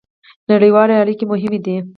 نړیوالې اړیکې مهمې دي